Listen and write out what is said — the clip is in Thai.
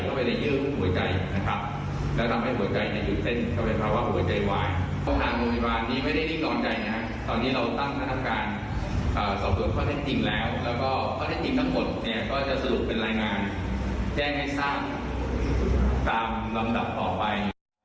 แจ้งให้สร้างตามลำดับต่อไป